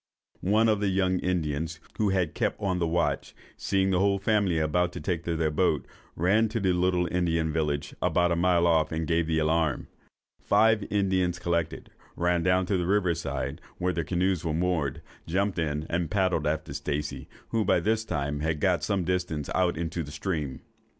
One of the young Indians, who had kept on the watch, seeing the whole family about to take their boat, ran to the little Indian village, about a mile off, and gave the alarm. Five Indians collected, ran down to the river side, where their canoes were moored, jumped in, and paddled after Stacey, who by this time had got some distance out into the stream.